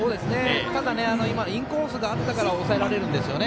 ただ、今インコースがあったから抑えられるんです。